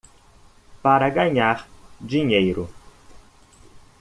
Para ganhar dinheiro